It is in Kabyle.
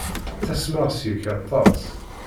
Ttasmeɣ seg-k aṭas.